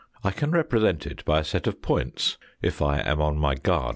I can represent it by a set of points, if I am on my guard